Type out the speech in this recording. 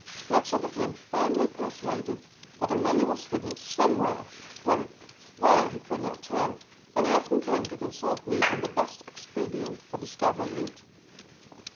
Fletcher became firmly persuaded that the money was hidden some where ; where he could not tell, and he often came to consult me on the best expedient for discovering it.